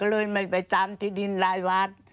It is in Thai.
เลยไม่ไปตามที่ดินรายวัด